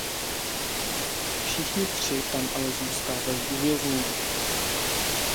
Všichni tři tam ale zůstávají uvězněni.